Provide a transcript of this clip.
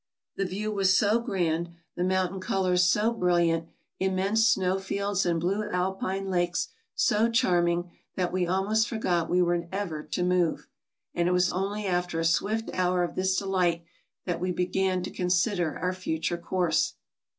The view was so grand, the mountain colors so brilliant, immense snow fields and blue alpine lakes so charming, that we almost forgot we were ever to move, and it was only after a swift hour of this delight that we began to consider our future course.